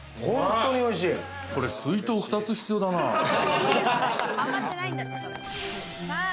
これ、水筒２つ必要だな。